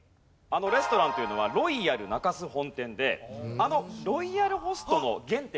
レストランというのはロイヤル中洲本店であのロイヤルホストの原点。